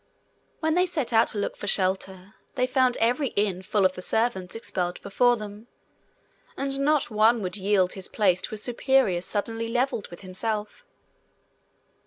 When they set out to look for shelter, they found every inn full of the servants expelled before them, and not one would yield his place to a superior suddenly levelled with himself.